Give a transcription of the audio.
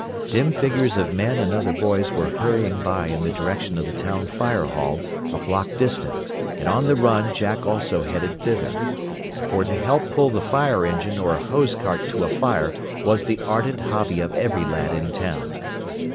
Dim figures of men and other boys were hurrying by in the direction of the town fire hall, a block distant, and on the run Jack also headed thither. For to help pull the fire engine or hose cart to a fire was the ardent hobby of every lad in town.